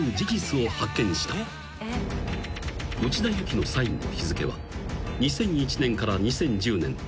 ［内田有紀のサインの日付は２００１年から２０１０年